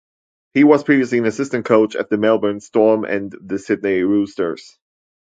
He was previously an assistant coach at the Melbourne Storm and the Sydney Roosters.